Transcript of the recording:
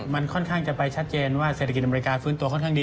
มันค่อนข้างจะไปชัดเจนว่าเศรษฐกิจอเมริกาฟื้นตัวค่อนข้างดี